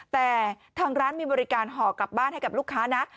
แต่ทางร้านมีบริการห่อกลับบ้านให้กับลูกค้านะ